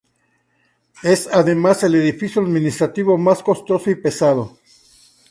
Es además el edificio administrativo más costoso y pesado.